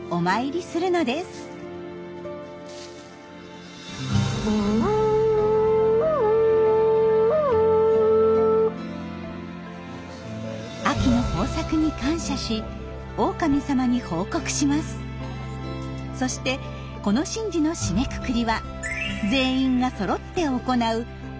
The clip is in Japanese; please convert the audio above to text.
そしてこの神事の締めくくりは全員がそろって行うある不思議な掛け声。